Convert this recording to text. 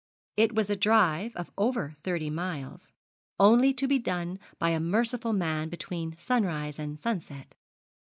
It was a drive of over thirty miles, only to be done by a merciful man between sunrise and sunset.